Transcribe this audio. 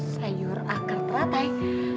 sayur akar teratai